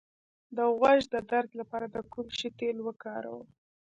د غوږ د درد لپاره د کوم شي تېل وکاروم؟